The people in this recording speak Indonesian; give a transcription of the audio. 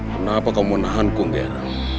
kenapa kamu menahanku ndiar